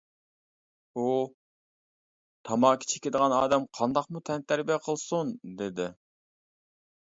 ئۇ، تاماكا چېكىدىغان ئادەم قانداقمۇ تەنتەربىيە قىلسۇن؟ دېدى.